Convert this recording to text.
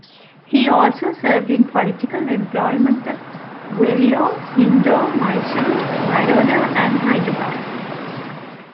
He also served in political employment at Gwalior, Indore, Mysore, Baroda and Hyderabad.